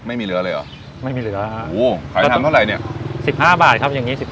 ไม่มีเหลือเลยหรอ